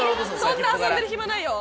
そんな遊んでる暇ないよ。